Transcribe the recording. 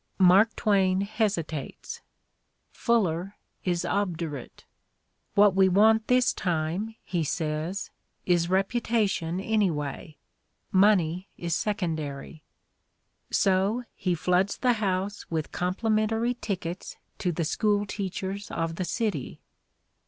Mark Twain hesitates. Fuller is obdurate. "What we want this time," he says, "is reputation any way — money is secondary. " So he floods the house with complimentary tickets to the school teachers of the city.